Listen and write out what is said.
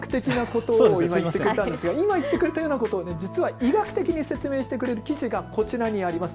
今言ってくれたようなことを実は医学的に説明してくれる記事がこちらにあります。